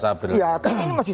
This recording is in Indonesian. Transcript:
sebelas april ya karena ini masih